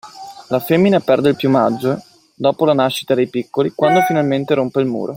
La femmina perde il piumaggio, dopo la nascita dei piccoli, quando finalmente rompe il muro.